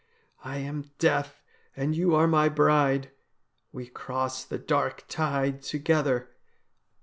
I am Death and you are my bride ; we cross the dark tide together.'